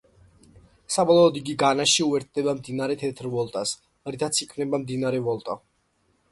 საბოლოოდ იგი განაში უერთდება მდინარე თეთრ ვოლტას, რითაც იქმნება მდინარე ვოლტა.